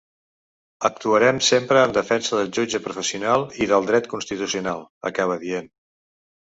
Actuarem sempre en defensa del jutge professional i del dret constitucional, acaba dient.